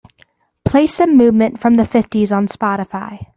play some movement from the fifties on Spotify